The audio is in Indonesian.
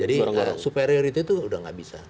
jadi superioritas itu udah nggak bisa